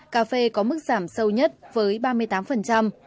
cà phê có mức giảm sâu nhất với ba mươi tám